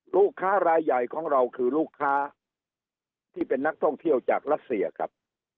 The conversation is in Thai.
ลูกค้ารายใหญ่ของเราคือลูกค้าที่เป็นนักท่องเที่ยวจากรัสเซียครับ